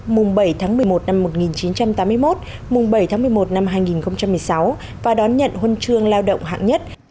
mùng bảy tháng một mươi một năm một nghìn chín trăm tám mươi một mùng bảy tháng một mươi một năm hai nghìn một mươi sáu và đón nhận huân chương lao động hạng nhất